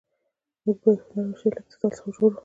موږ باید هنر او شعر له ابتذال څخه وژغورو.